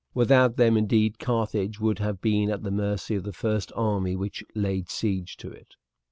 Without them, indeed, Carthage would have been at the mercy of the first army which laid siege to it.